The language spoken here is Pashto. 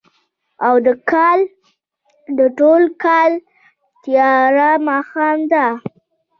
او د کال، د ټوله کال تیاره ماښام دی